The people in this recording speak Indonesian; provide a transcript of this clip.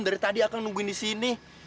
dari tadi aku nungguin di sini